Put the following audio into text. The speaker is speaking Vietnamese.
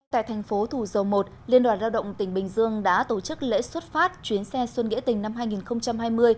tại thành phố thủ dầu một liên đoàn lao động tỉnh bình dương đã tổ chức lễ xuất phát chuyến xe xuân nghĩa tình năm hai nghìn hai mươi